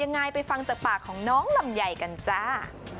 ยังไงไปฟังจากปากของน้องลำไยกันจ้า